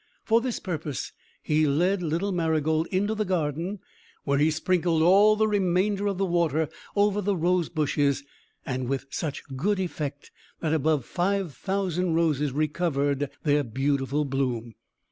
For this purpose, he led little Marygold into the garden, where he sprinkled all the remainder of the water over the rose bushes, and with such good effect that above five thousand roses recovered their beautiful bloom.